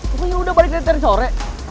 pokoknya udah balik dari teren sore